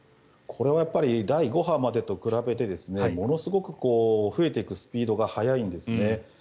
これは第５波までと比べてものすごく増えていくスピードが速いんですね。